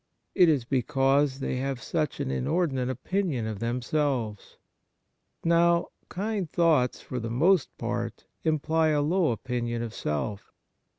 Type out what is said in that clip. It is because they have such an inordinate opinion of themselves. Now, kind thoughts for the most part imply a low opinion of self.